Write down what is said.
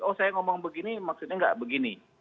oh saya ngomong begini maksudnya nggak begini